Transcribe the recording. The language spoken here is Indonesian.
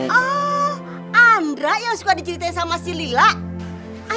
ah andra yang suka diceritain sama si lila